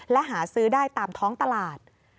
และหาซื้อได้ตามท้องตลาด